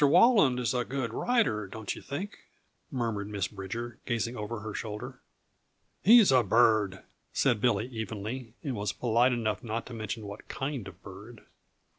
Walland is a good rider, don't you think?" murmured Miss Bridger, gazing over her shoulder. "He's a bird," said Billy evenly, and was polite enough not to mention what kind of bird.